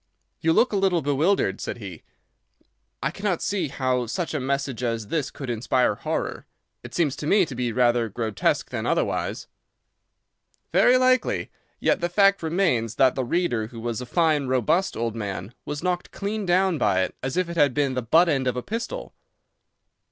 "You look a little bewildered," said he. "I cannot see how such a message as this could inspire horror. It seems to me to be rather grotesque than otherwise." "Very likely. Yet the fact remains that the reader, who was a fine, robust old man, was knocked clean down by it as if it had been the butt end of a pistol."